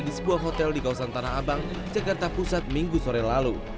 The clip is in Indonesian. di sebuah hotel di kawasan tanah abang jakarta pusat minggu sore lalu